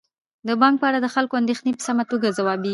د بانک په اړه د خلکو اندیښنې په سمه توګه ځوابیږي.